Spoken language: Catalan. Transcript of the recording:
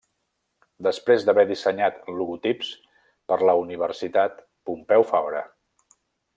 Després d'haver dissenyat logotips per la Universitat Pompeu Fabra.